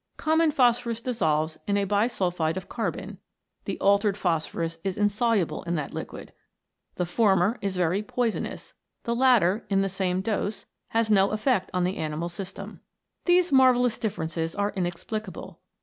Common phosphorus dissolves in bisul phide of carbon ; the altered phosphorus is in soluble in that liquid. The former is very poi sonous ; the latter, in the same dose, has no effect on the animal system. These marvellous differences are inexplicable.